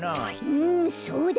うんそうだね。